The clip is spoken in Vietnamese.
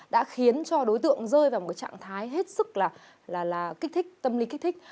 đã khiến cho đối tượng rơi vào một trạng thái hết sức là kích thích tâm lý kích thích